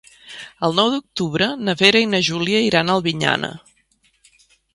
El nou d'octubre na Vera i na Júlia iran a Albinyana.